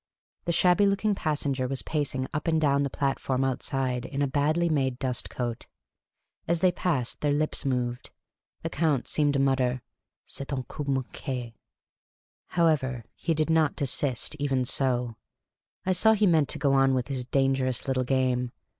The shabby looking passenger was pacing up and down the platform outside in a badly made dust coat. As they passed their lips moved. The Count's seemed to mutter, " C'est un coup manqiiiy However, he did not desist even so. I saw he meant to go on with his dangerous little game.